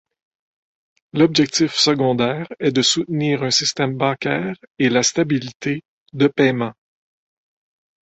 L'objectif secondaire est de soutenir un système bancaire et la stabilité de paiement.